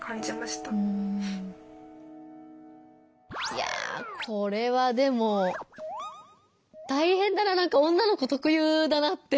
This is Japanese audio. いやぁこれはでもたいへんだななんか女の子特有だなって。